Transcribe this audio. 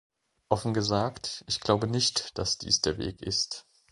Offen gesagt, ich glaube nicht, dass dies der Weg ist.